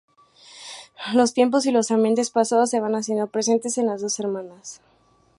Los tiempos y los ambientes pasados se van haciendo presentes en las dos hermanas.